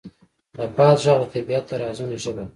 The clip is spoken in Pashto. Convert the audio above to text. د باد غږ د طبیعت د رازونو ژبه ده.